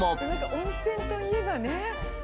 温泉といえばね。